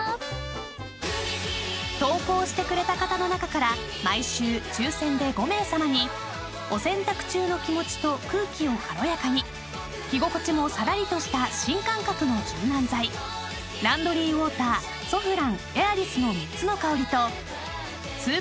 ［投稿してくれた方の中から毎週抽選で５名さまにお洗濯中の気持ちと空気を軽やかに着心地もさらりとした新感覚の柔軟剤ランドリーウォーターソフランＡｉｒｉｓの３つの香りとスーパーＮＡＮＯＸ